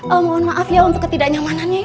oh mohon maaf ya untuk ketidaknyamanannya ya